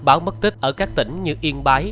báo mất tích ở các tỉnh như yên bái